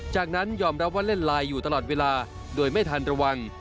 จากนั้นยอมรับว่าเล่นไลน์อยู่ตลอดเวลาโดยไม่ทันระวัง